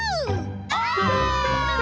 オ！